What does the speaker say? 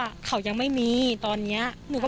ก็กลายเป็นว่าติดต่อพี่น้องคู่นี้ไม่ได้เลยค่ะ